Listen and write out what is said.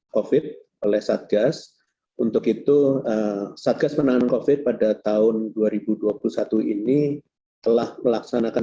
covid oleh satgas untuk itu satgas penanganan covid pada tahun dua ribu dua puluh satu ini telah melaksanakan